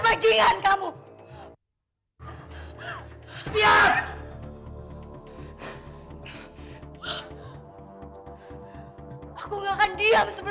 aku nggak akan diam sebelum kamu lepasin aku rupanya gua sumpah